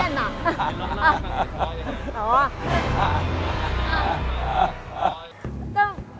ขายน้องขอร้องอย่างนั้น